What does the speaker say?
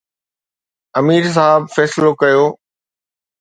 امير صاحب فيصلو ڪيو